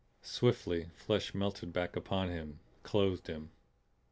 Swiftly flesh melted back upon him, clothed him.